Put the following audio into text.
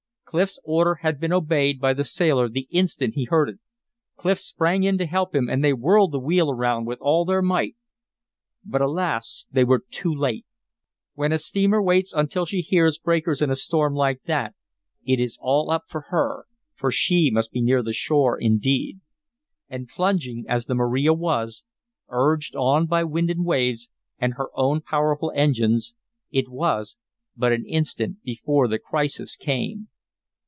Clif's order had been obeyed by the sailor the instant he heard it. Clif sprang in to help him, and they whirled the wheel around with all their might. But alas! they were too late! When a steamer waits until she hears breakers in a storm like that it is all up with her, for she must be near the shore indeed. And plunging as the Maria was, urged on by wind and waves and her own powerful engines, it was but an instant before the crisis came.